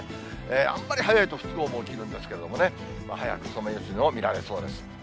あんまり早いと、不都合も起きるんですけどね、早くソメイヨシノを見られそうです。